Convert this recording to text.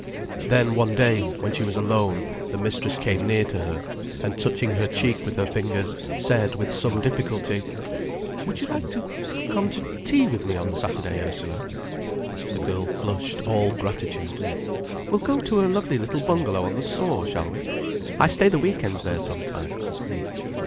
Then one day, when she was alone, the mistress came near to her, and touching her cheek with her fingers, said with some difficulty. "Would you like to come to tea with me on Saturday, Ursula?" The girl flushed all gratitude. "We'll go to a lovely little bungalow on the Soar, shall we? I stay the week ends there sometimes."